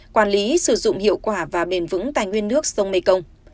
quản lý sử dụng hiệu quả và bền vững tài nguyên nước sông mekong